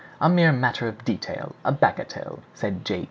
"A mere matter of detail, a bagatelle," said J.